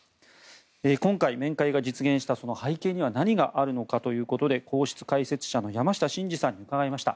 今回、面会が実現した背景には何があるのかということで皇室解説者の山下晋司さんに伺いました。